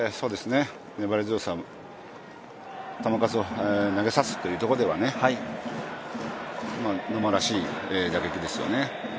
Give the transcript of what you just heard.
粘り強さ、球数を投げさせるというところでは野間らしい打撃ですよね。